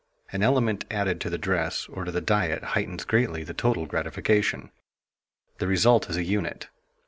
An element added to the dress or to the diet heightens greatly the total gratification. The result is a unit.